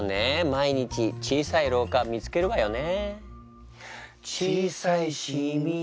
毎日小さい老化見つけるわよね。